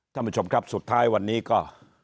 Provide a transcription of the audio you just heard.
ท่านผู้ชมครับสุดท้ายวันนี้ก็